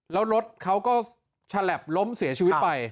แล้วรถเขาก็ฉลับล้มเสียชีวิตไป